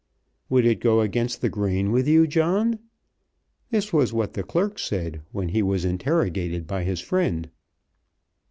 "Would it go against the grain with you, John?" This was what the clerk said when he was interrogated by his friend.